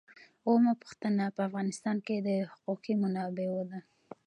اوومه پوښتنه په افغانستان کې د حقوقي منابعو ده.